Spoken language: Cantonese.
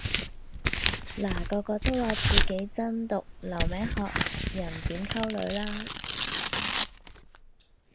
嗱個個都話自己真毒留名學人點溝女啦